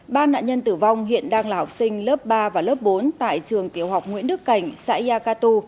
ba nạn nhân tử vong hiện đang là học sinh lớp ba và lớp bốn tại trường tiểu học nguyễn đức cảnh xã yacatu